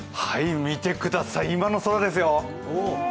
見てください、今の空ですよ。